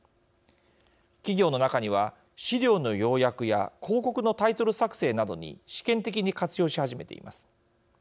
企業の中には資料の要約や広告のタイトル作成などに試験的に活用し始めています。